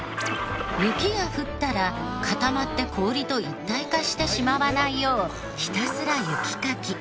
雪が降ったら固まって氷と一体化してしまわないようひたすら雪かき。